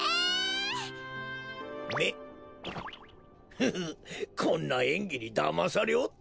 フフッこんなえんぎにだまされおって！